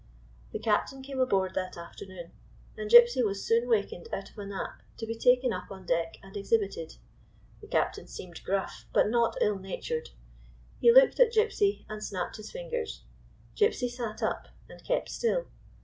The captain came aboard that afternoon, and Gypsy was soon wakened out of a nap to be taken up on deck and exhibited. The captain seemed gruff, but not ill natured. He looked at Gypsy, and snapped his fingers. Gypsy sat up, and kept still.